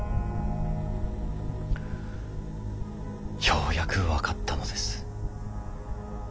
ようやく分かったのです。